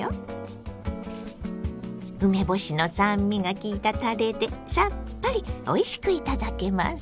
梅干しの酸味がきいたたれでさっぱりおいしくいただけます。